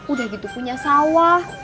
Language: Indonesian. udah gitu punya sawah